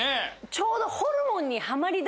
ちょうど。